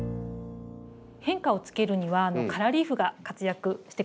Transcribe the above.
変化をつけるにはカラーリーフが活躍してくれます。